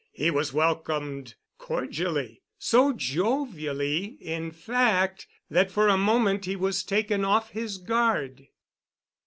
He was welcomed cordially—so jovially, in fact, that for a moment he was taken off his guard.